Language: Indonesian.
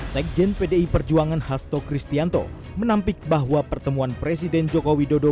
sekjen pdi perjuangan hasto kristianto menampik bahwa pertemuan presiden joko widodo